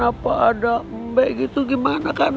apa ada mbe gitu gimana kan